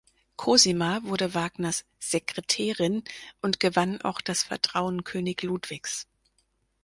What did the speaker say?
Cosima wurde Wagners „Sekretärin“ und gewann auch das Vertrauen König Ludwigs.